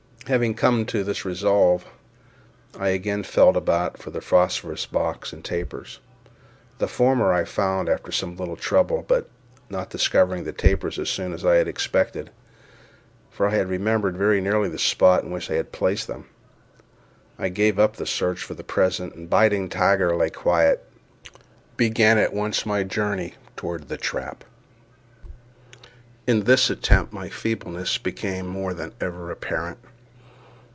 Having come to this resolve, I again felt about for the phosphorus box and tapers. The former I found after some little trouble; but, not discovering the tapers as soon as I had expected (for I remembered very nearly the spot in which I had placed them), I gave up the search for the present, and bidding Tiger lie quiet, began at once my journey toward the trap. In this attempt my great feebleness became more than ever apparent.